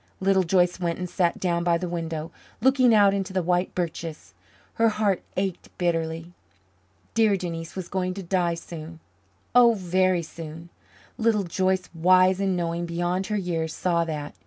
Little Joyce went and sat down by the window, looking out into the white birches. Her heart ached bitterly. Dear Denise was going to die soon oh, very soon! Little Joyce, wise and knowing beyond her years, saw that.